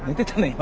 今。